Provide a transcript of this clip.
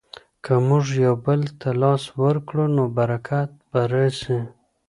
که موږ یو بل ته لاس ورکړو نو برکت به راسي.